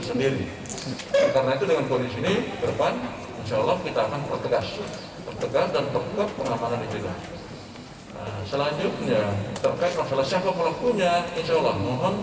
siapa yang berpengaruh